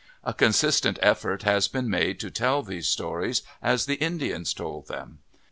A consistent effort has been made to tell these stories as the Indians told them.